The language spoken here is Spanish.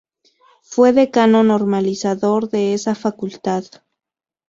Fue decano normalizador de esa Facultad.